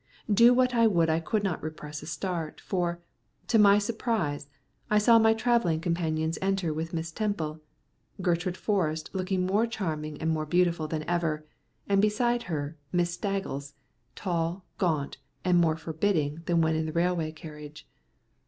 Do what I would I could not repress a start, for, to my surprise, I saw my travelling companions enter with Miss Temple Gertrude Forrest looking more charming and more beautiful than ever, and beside her Miss Staggles, tall, gaunt, and more forbidding than when in the railway carriage.